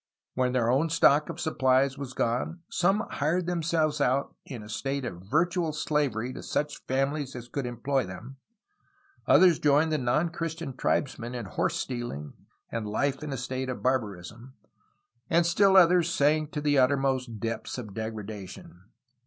When their own stock of supplies was gone some hired themselves out in a state of virtual slavery to such families as could employ them, others joined the non Christian tribesmen in horse stealing and life in a state of barbarism, and still others sank to the uttermost depths of degradation.